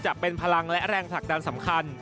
จะเป็นพลังและแรงผลักดันสำคัญ